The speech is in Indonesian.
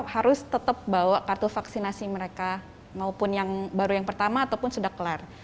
harus tetap bawa kartu vaksinasi mereka maupun yang baru yang pertama ataupun sudah kelar